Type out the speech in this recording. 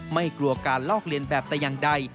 ไม่กลัวการลอกเลียนแบบแต่อย่างใด